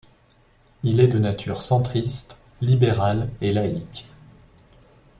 Il est de nature centriste, libéral et laïc.